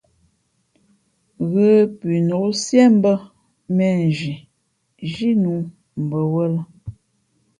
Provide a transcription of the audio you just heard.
Ghə pʉnok siē mbᾱ mēnzhi zhínu bαwᾱlᾱ.